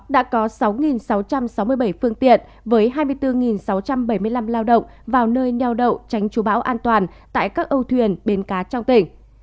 đã có sáu sáu trăm sáu mươi bảy phương tiện với hai mươi bốn sáu trăm bảy mươi năm lao động vào nơi neo đậu tránh chú bão an toàn tại các âu thuyền bến cá trong tỉnh